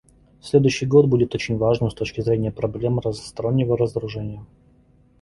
Следующий год будет очень важным с точки зрения проблем многостороннего разоружения.